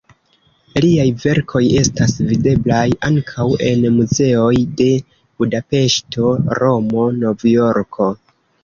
Liaj verkoj estas videblaj ankaŭ en muzeoj de Budapeŝto, Romo, Novjorko.